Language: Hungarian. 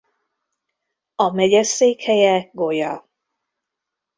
A megye székhelye Goya.